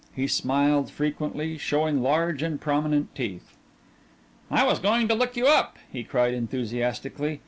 He smiled frequently, showing large and prominent teeth. "I was going to look you up," he cried enthusiastically.